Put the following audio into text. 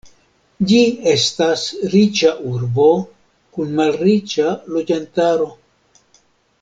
Ĝi estas riĉa urbo kun malriĉa loĝantaro.